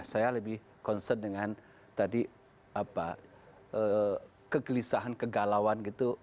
saya lebih concern dengan tadi kegelisahan kegalauan gitu